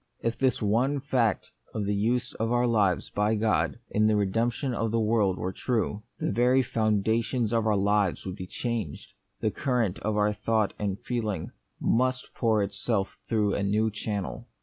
If this one fact of the use of our lives by God in the redemption of the world were true, the very foundations of our life would be changed, the current of our thought and feeling must pour itself through a new channel.